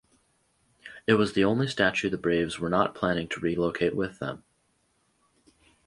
It was the only statue the Braves were not planning to relocate with them.